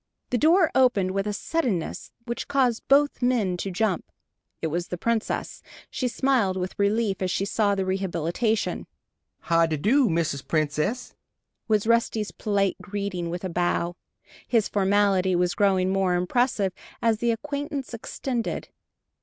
The door opened, with a suddenness which caused both men to jump. It was the Princess. She smiled with relief as she saw the rehabilitation. "How de do, Mrs. Princess?" was Rusty's polite greeting, with a bow. His formality was growing more impressive, as the acquaintance extended.